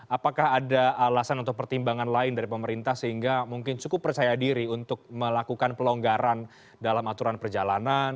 apakah ada alasan atau pertimbangan lain dari pemerintah sehingga mungkin cukup percaya diri untuk melakukan pelonggaran dalam aturan perjalanan